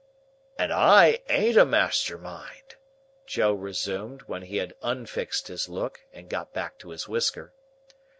"And I ain't a master mind," Joe resumed, when he had unfixed his look, and got back to his whisker.